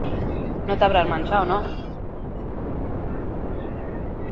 Erabakiak hartzeko kontsulta herrikoi baten zerbitzua ez litzateke justuagoa izango?